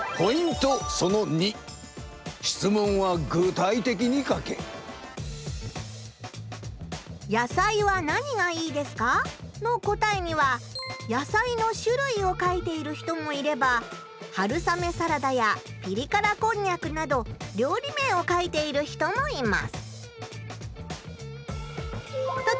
目的に合わせて「野菜は何がいいですか？」の答えには野菜の種類を書いている人もいれば春雨サラダやピリ辛こんにゃくなど料理名を書いている人もいます。